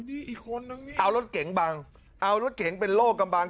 อีกคนนึงอ้าวรถเก๋งบางเอารถเก๋งเป็นโลกบาง